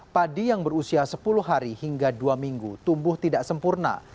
padi yang berusia sepuluh hari hingga dua minggu tumbuh tidak sempurna